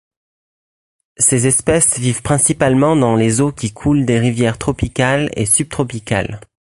Ses espèces vivent principalement dans les eaux qui coulent des rivières tropicales et subtropicales.